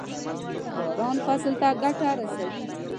باران فصل ته ګټه رسوي.